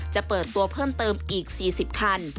จะเปิดตัวเพิ่มเติมอีก๔๐คัน